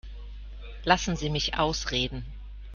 Lassen Sie mich ausreden.